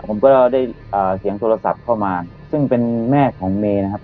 ผมก็ได้เสียงโทรศัพท์เข้ามาซึ่งเป็นแม่ของเมย์นะครับ